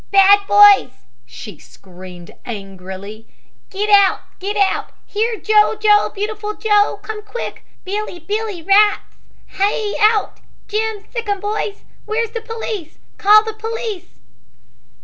"Bad boys!" she screamed, angrily. "Get out get out! Here, Joe, Joe, Beautiful Joe. Come quick. Billy, Billy, rats Hie out, Jim, sic 'em boys. Where's the police. Call the police!"